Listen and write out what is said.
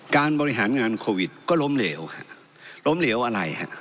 การบริหารงานโควิดก็ล้มเหลวล้มเหลวอะไรฮะ